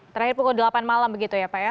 terakhir pukul delapan malam begitu ya pak ya